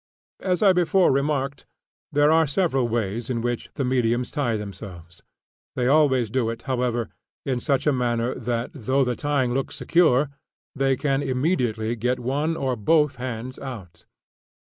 As I before remarked, there are several ways in which the mediums tie themselves. They always do it, however, in such a manner that, though the tying looks secure, they can immediately get one or both hands out.